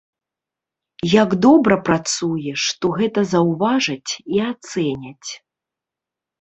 Як добра працуеш, то гэта заўважаць і ацэняць.